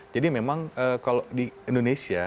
jadi memang kalau di indonesia